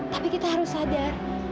tapi kita harus sadar